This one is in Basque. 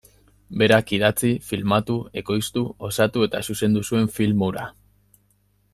Berak idatzi, filmatu, ekoiztu, osatu eta zuzendu zuen film hura.